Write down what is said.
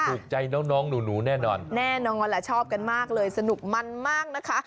ถูกใจน้องหนูแน่นอนแน่นอนแหละชอบกันมากเลยสนุกมันมากนะคะ